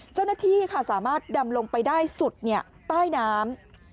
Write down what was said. เจ้าหน้าที่ค่ะสามารถดำลงไปได้สุดใต้น้ำ